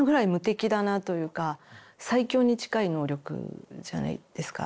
最強に近い能力じゃないですか。